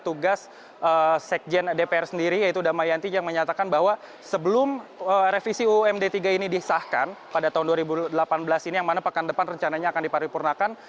tugas sekjen dpr sendiri yaitu damayanti yang menyatakan bahwa sebelum revisi umd tiga ini disahkan pada tahun dua ribu delapan belas ini yang mana pekan depan rencananya akan diparipurnakan